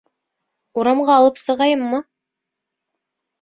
Урамға алып сығайыммы?